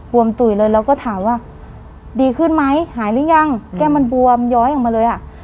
วมตุ๋ยเลยเราก็ถามว่าดีขึ้นไหมหายหรือยังแก้มมันบวมย้อยออกมาเลยอ่ะ